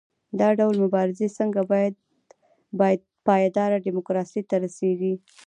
دا ډول مبارزې څنګه پایداره ډیموکراسۍ ته رسیږي؟